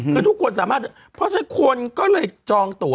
คือทุกคนสามารถเพราะฉะนั้นคนก็เลยจองตัว